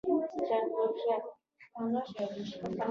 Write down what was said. دا د کرنې په برخه کې پراختیا ته لار هواره کړه.